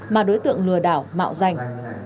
mà đối tượng lừa đảo mạo danh